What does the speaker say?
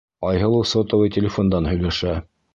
Айһылыу сотовый телефондан һөйләшә.